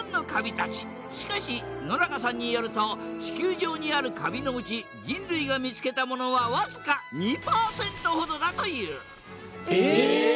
しかし野中さんによると地球上にあるカビのうち人類が見つけたものは僅か２％ほどだというええ！？